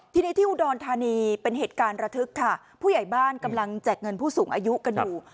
ทีนี้ที่อุดรธานีเป็นเหตุการณ์ระทึกค่ะผู้ใหญ่บ้านกำลังแจกเงินผู้สูงอายุกันอยู่